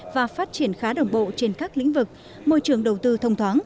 và phát triển khá đồng bộ trên các lĩnh vực môi trường đầu tư thông thoáng